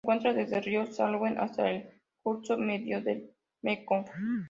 Se encuentra desde el río Salween hasta el curso medio del Mekong.